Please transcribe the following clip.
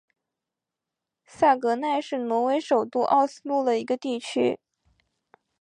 萨格奈是挪威首都奥斯陆的一个地区。